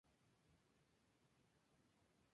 Raros, los conciertos son un suceso con los espectadores.